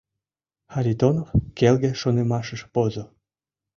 Харитонов келге шонымашыш возо.